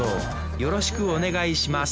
よろしくお願いします